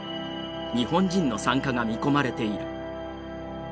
日本人の参加が見込まれている。